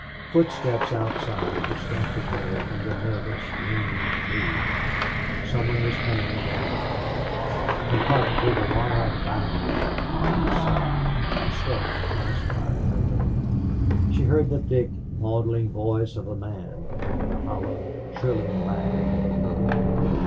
Footsteps outside distracted her from the nervous, dreamy mood. Some one was coming along the hall. Her heart gave a wild bound then sank. The steps passed by her door. She heard the thick, maudlin voice of a man and the hollow, trilling laugh of a girl.